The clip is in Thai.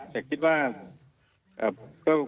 แต่คิดว่าก็ต้องยอมรับว่า